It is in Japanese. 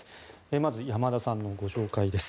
まず、山田さんのご紹介です。